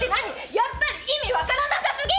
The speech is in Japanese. やっぱり意味わからなさすぎ！